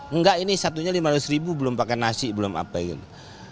enggak ini satunya lima ratus ribu belum pakai nasi belum apa gitu